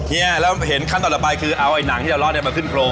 เฮียแล้วเห็นขั้นต่อไปคือเอาไอ้หนังที่เรารอดมาขึ้นโปร